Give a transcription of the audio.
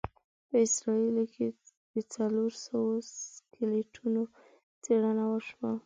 په اسرایل کې د څلوروسوو سکلیټونو څېړنه وشوه.